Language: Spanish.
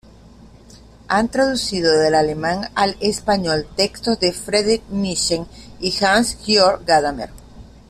Ha traducido del alemán al español textos de Friedrich Nietzsche y Hans-Georg Gadamer.